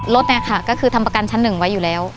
รถค่ะก็คือทำประกันชั้น๑ไว้อยู่แล้ว